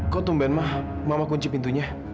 kok tumben mah mama kunci pintunya